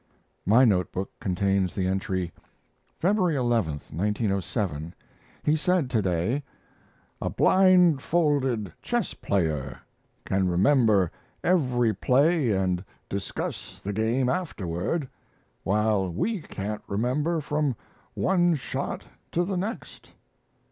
My note book contains the entry: February 11, 1907. He said to day: "A blindfolded chess player can remember every play and discuss the game afterward, while we can't remember from one shot to the next."